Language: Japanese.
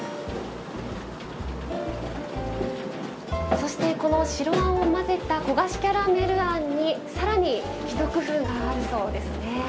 そしてこの白あんを混ぜた焦がしキャラメル餡に更に一工夫があるそうですね。